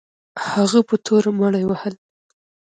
هغه په توره مړي وهل.